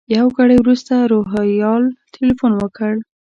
یو ګړی وروسته روهیال تیلفون وکړ.